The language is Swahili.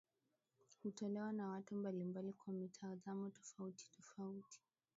hutolewa na watu mbalimbali kwa mitazamo tofautitofauti